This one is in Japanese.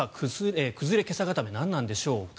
崩れけさ固め何なんでしょうか。